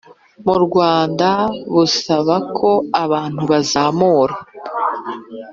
mu Rwanda busaba ko abantu bazamura